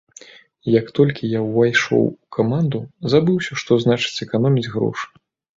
Як толькі я ўвайшоў у каманду, забыўся, што значыць эканоміць грошы.